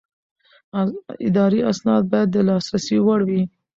اداري اسناد باید د لاسرسي وړ وي.